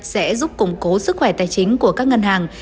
sẽ giúp củng cố sức khỏe tài chính của các ngân hàng